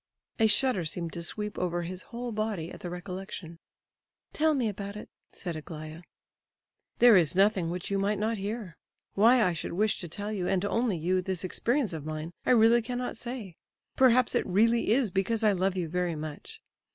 A shudder seemed to sweep over his whole body at the recollection. "Tell me about it," said Aglaya. "There is nothing which you might not hear. Why I should wish to tell you, and only you, this experience of mine, I really cannot say; perhaps it really is because I love you very much.